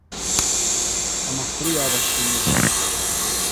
Amakuru yabashimishije